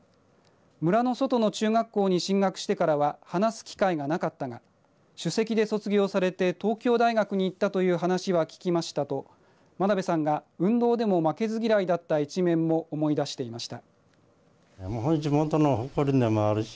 村の外の中学校に進学してからは話す機会がなかったが首席で卒業されて東京大学に行ったという話は聞きましたと真鍋さんが運動でも負けず嫌いだった一面も思い出していました。